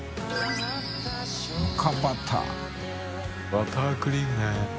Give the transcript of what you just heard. バタークリームね。